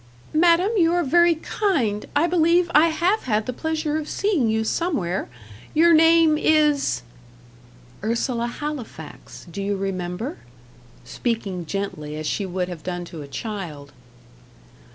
"Madam, you are very kind. I believe I have had the pleasure of seeing you somewhere. Your name is " "Ursula Halifax. Do you remember?" speaking gently as she would have done to a child.